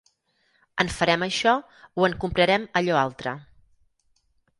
En farem això o en comprarem allò altre